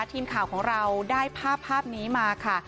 ทีมข่าวของเราได้ภาพนี้มาค่ะ